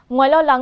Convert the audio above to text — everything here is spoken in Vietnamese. ngoài lo lắng